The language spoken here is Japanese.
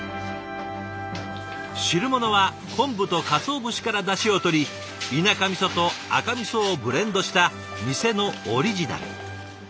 汁物は昆布とカツオ節からダシをとり田舎みそと赤みそをブレンドした店のオリジナル。